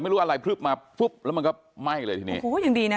ไม่รู้อะไรพลึบมาปุ๊บแล้วมันก็ไหม้เลยทีนี้โอ้โหยังดีนะ